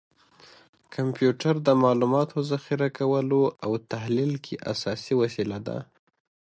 کمپیوټر د معلوماتو ذخیره کولو او تحلیل کې اساسي وسیله ده.